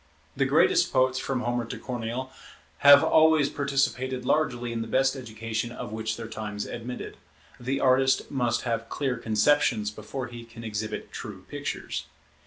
The greatest poets, from Homer to Corneille, have always participated largely in the best education of which their times admitted. The artist must have clear conceptions before he can exhibit true pictures.